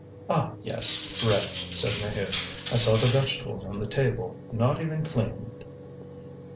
"Ah, yes! ready," said Maheude. "I saw the vegetables on the table, not even cleaned."